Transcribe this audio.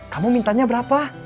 kamu mintanya berapa